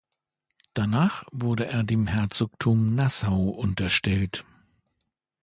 Danach wurde er dem Herzogtum Nassau unterstellt.